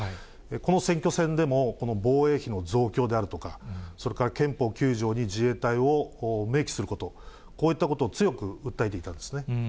この選挙戦でも、防衛費の増強であるとか、それから憲法９条に自衛隊を明記すること、こういったことを強く訴えていたんですね。